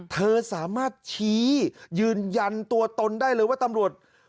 เธอสามารถชี้ยืนยันตัวตนได้เลยว่าตำรวจ